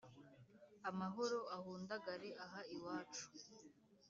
amahoro ahundagare aha iwacu,